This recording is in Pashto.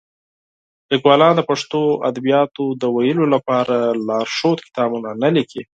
لیکوالان د پښتو ادبیاتو د تدریس لپاره لارښود کتابونه نه لیکي.